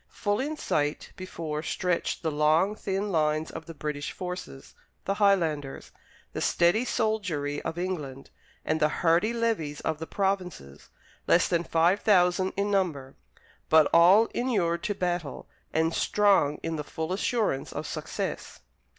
Full in sight before stretched the long, thin lines of the British forces the Highlanders, the steady soldiery of England, and the hardy levies of the provinces less than five thousand in number, but all inured to battle, and strong in the full assurance of success.